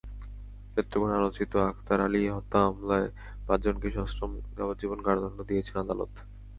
নেত্রকোনায় আলোচিত আখতার আলী হত্যা মামলায় পাঁচজনকে সশ্রম যাবজ্জীবন কারাদণ্ড দিয়েছেন আদালত।